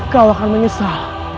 kau akan menyesal